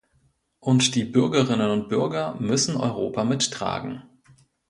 Und die Bürgerinnen und Bürger müssen Europa mittragen.